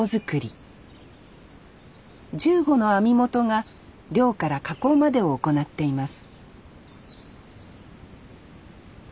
１５の網元が漁から加工までを行っています